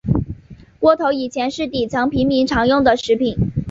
窝头以前是底层平民常用的食品。